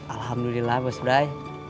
alhamdulillah bos brai